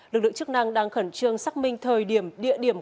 lực lượng chức năng đang khẩn trương xác minh thời điểm địa điểm